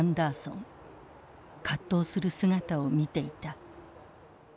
葛藤する姿を見ていた。